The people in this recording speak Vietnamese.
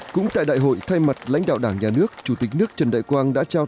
cũng tại đại hội thay mặt lãnh đạo đảng nhà nước chủ tịch nước trần đại quang đã trao